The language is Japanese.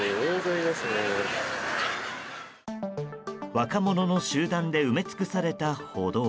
若者の集団で埋め尽くされた歩道。